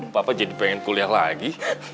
papa jadi pengen kuliah lagi